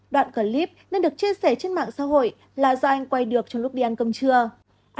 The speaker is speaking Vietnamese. đoạn clip nên được chia sẻ trên mạng xã hội là do anh quay được trong lúc đi ăn cơm trưa